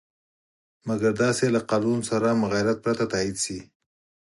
مګر دا چې له قانون سره مغایرت پرته تایید شي.